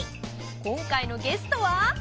今回のゲストは。